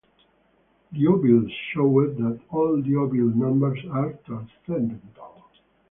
Liouville showed that all Liouville numbers are transcendental.